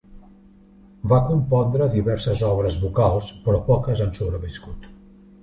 Va compondre diverses obres vocals però poques han sobreviscut.